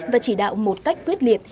và chỉ đạo một cách quyết liệt